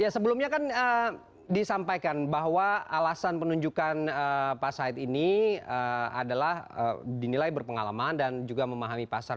sebelumnya kan disampaikan bahwa alasan penunjukan pak said ini adalah dinilai berpengalaman dan juga memahami pasar